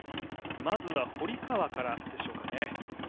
まずは堀川でしょうかね。